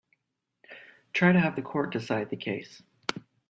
Try to have the court decide the case.